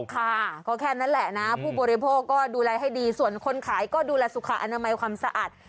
ค่ะก็แค่นั้นแหละนะผู้บริโภคก็ดูแลให้ดีส่วนคนขายก็ดูแลสุขอนามัยความสะอาด